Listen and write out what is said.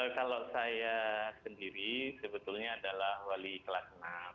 kalau saya sendiri sebetulnya adalah wali kelas enam